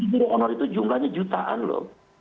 guru honor itu jumlahnya jutaan loh